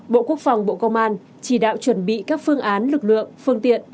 bộ quốc phòng bộ công an chỉ đạo chuẩn bị các phương án lực lượng phương tiện